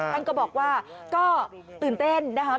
ท่านก็บอกว่าก็ตื่นเต้นนะครับ